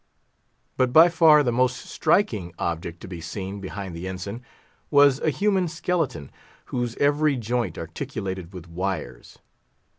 But by far the most striking object to be seen behind the ensign was a human skeleton, whose every joint articulated with wires.